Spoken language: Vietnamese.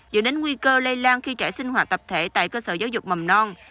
dựa đến nguy cơ lây lan khi trẻ sinh hoạt tập thể tại cơ sở giáo dục mầm non